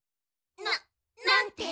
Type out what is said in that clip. ななんて？